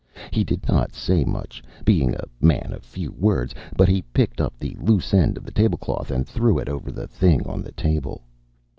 He did not say much, being a man of few words, but he picked up the loose end of the table cloth and threw it over the thing on the table.